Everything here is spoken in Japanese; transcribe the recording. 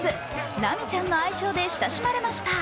ラミちゃんの愛称で親しまれました。